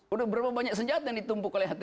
udah berapa banyak senjata yang ditumpuk oleh hati